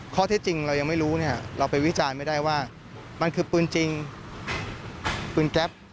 ข้อเท็จจริงเรายังไม่รู้เนี่ยเราไปวิจารณ์ไม่ได้ว่ามันคือปืนจริงปืนแก๊ป